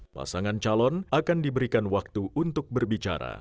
pasangan calon akan diberikan waktu untuk berbicara